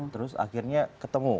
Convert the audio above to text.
terus akhirnya ketemu